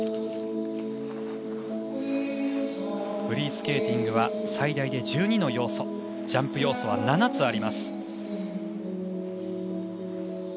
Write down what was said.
フリースケーティングは最大で１２の要素ジャンプ要素は７つあります。